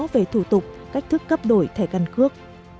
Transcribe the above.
về thủ tục cách thức cấp đổi thẻ căn cước